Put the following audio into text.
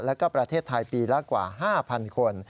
แล้วก็ประเทศไทยปีละกว่า๕๐๐คน